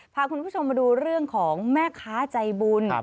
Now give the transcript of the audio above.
พาคุณผู้ชมมาดูเรื่องของแม่ค้าใจบุญ